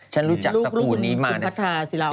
ฉันรู้จักตระกูลนี้มาลูกคุณพัฒนาศิลาวัน